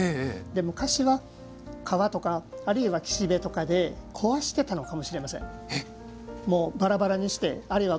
でも昔は川とか岸辺とかで壊していたのかもしれません。